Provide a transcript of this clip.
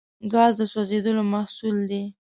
ګاز د سوځیدلو محصول دی.